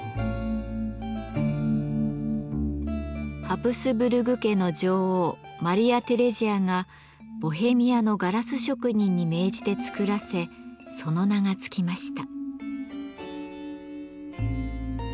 ハプスブルグ家の女王マリア・テレジアがボヘミアのガラス職人に命じて作らせその名が付きました。